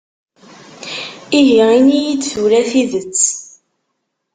Ihi ini-yi-d tura tidet!